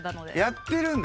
やってるんだ！